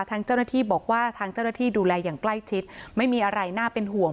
ทางเจ้าหน้าที่บอกว่าทางเจ้าหน้าที่ดูแลอย่างใกล้ชิดไม่มีอะไรน่าเป็นห่วง